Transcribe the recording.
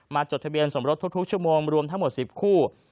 จดทะเบียนสมรสทุกชั่วโมงรวมทั้งหมด๑๐คู่